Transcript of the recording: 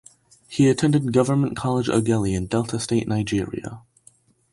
He attended Government College Ughelli in Delta State Nigeria.